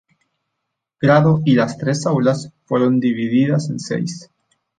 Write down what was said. Grado y las tres aulas fueron divididas en seis.